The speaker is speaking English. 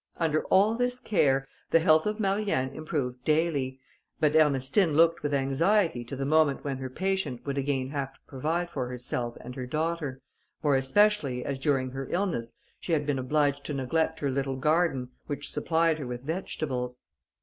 Under all this care, the health of Marianne improved daily, but Ernestine looked with anxiety to the moment when her patient would again have to provide for herself and daughter, more especially as during her illness she had been obliged to neglect her little garden, which supplied her with vegetables.